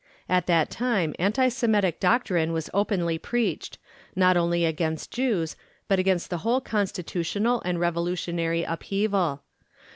At that time anti Semitic doctrine was openly preached, not only against Jews, but against the whole constitutional and revolutionary upheaval.